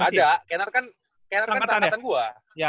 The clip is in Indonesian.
ada kennard kan kennard kan sama kata gue